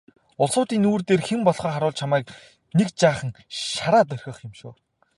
Улсуудын нүүр дээр хэн болохоо харуулж чамайг нэг жаахан шараад орхих юм шүү.